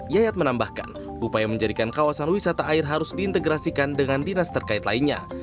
yayat menambahkan upaya menjadikan kawasan wisata air harus diintegrasikan dengan dinas terkait lainnya